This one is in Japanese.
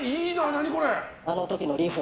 何これ！